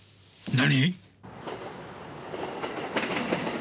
何！？